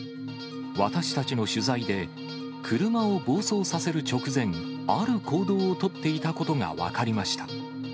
私たちの取材で、車を暴走させる直前、ある行動を取っていたことが分かりました。